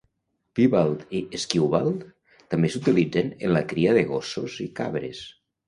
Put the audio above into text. "Piebald" i "skewbald" també s'utilitzen en la cria de gossos i cabres.